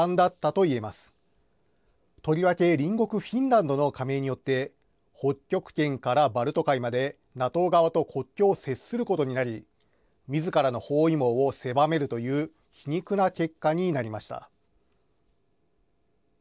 とりわけ隣国、フィンランドの加盟によって、北極圏からバルト海までＮＡＴＯ側と国境を接することになり、みずからの包囲網を狭めるという、皮肉な結果になりました。